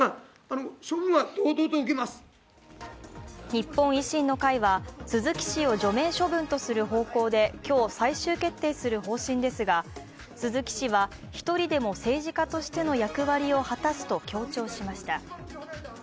日本維新の会は鈴木氏を除名処分とする方向で今日、最終決定する方針ですが、鈴木氏は１人でも政治家としての役割を果たすと強調しました。